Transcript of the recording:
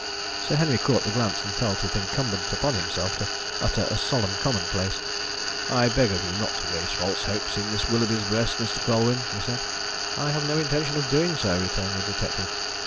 Sir Henry caught the glance, and felt it incumbent upon himself to utter a solemn commonplace. "I beg of you not to raise false hopes in Miss Willoughby's breast, Mr. Colwyn," he said. "I have no intention of doing so," returned the detective.